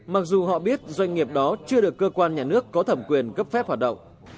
mặc dù họ biết doanh nghiệp đó chưa được cơ quan nhà nước có thẩm quyền cấp phép hoạt động